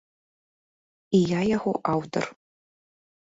І я яго аўтар.